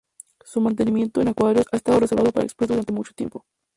Su mantenimiento en acuarios ha estado reservado para expertos durante mucho tiempo.